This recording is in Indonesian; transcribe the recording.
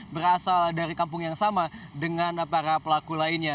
berasal dari kampung yang sama dengan para pelaku lainnya